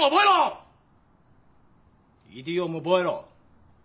イディオムを覚えろ！